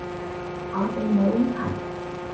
我哋冇一齊